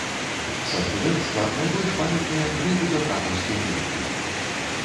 Са студэнцтва найбольш памятныя тры будатрадаўскія леты.